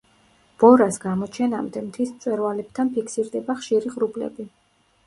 ბორას გამოჩენამდე მთის მწვერვალებთან ფიქსირდება ხშირი ღრუბლები.